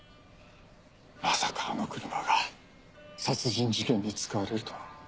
まさかあの車が殺人事件に使われるとは。